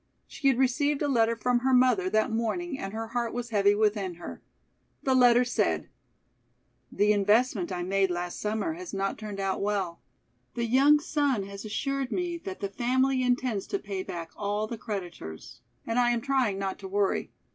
She had received a letter from her mother that morning and her heart was heavy within her. The letter said: "The investment I made last summer has not turned out well. The young son has assured me that the family intends to pay back all the creditors, and I am trying not to worry.